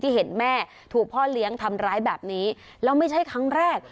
เห็นแม่ถูกพ่อเลี้ยงทำร้ายแบบนี้แล้วไม่ใช่ครั้งแรก